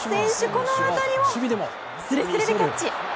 この当たりをすれすれでキャッチ！